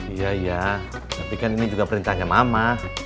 iya iya tapi kan ini juga perintahnya mama